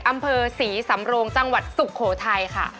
อำเภอศรีสำโรงจังหวัดสุโขทัยค่ะ